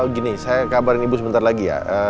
gini saya kabarin ibu sebentar lagi ya